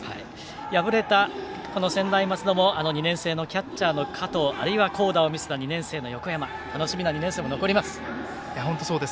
敗れた専大松戸も２年生のキャッチャー、加藤あるいは好打を見せた２年生の横山楽しみな２年生も残ります。